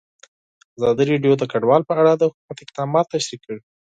ازادي راډیو د کډوال په اړه د حکومت اقدامات تشریح کړي.